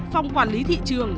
phòng quản lý thị trường